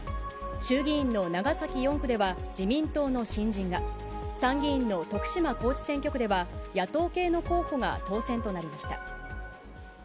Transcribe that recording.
衆議院の長崎４区では自民党の新人が、参議院の徳島高知選挙区では野党系の候補が当選となりました。